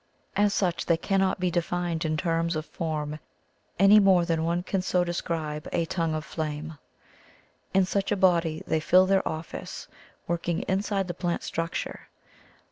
As such they cannot be defined in terms of form any more than one can so de scribe a tongue of flame. In such a body they fill their office, working inside the plant structure.